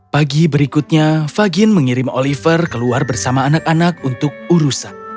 pagi berikutnya fagin mengirim oliver keluar bersama anak anak untuk urusan